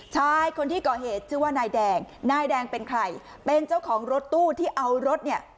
ชายคนที่ก่อเหตุชื่อว่านายแดงนายแดงเป็นใครเป็นเจ้าของรถตู้ที่เอารถเนี่ย